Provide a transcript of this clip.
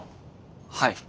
はい。